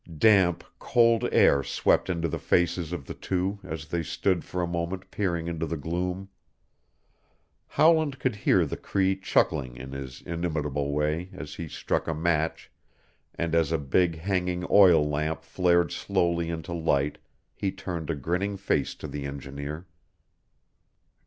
Damp, cold air swept into the faces of the two as they stood for a moment peering into the gloom. Howland could hear the Cree chuckling in his inimitable way as he struck a match, and as a big hanging oil lamp flared slowly into light he turned a grinning face to the engineer.